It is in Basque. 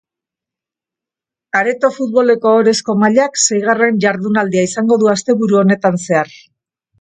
Areto futboleko ohorezko mailak seigarren jardunaldia izango du asteburu honetan zehar.